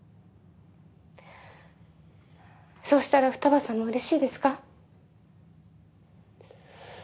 そうしたら二葉さんもうれしいですか？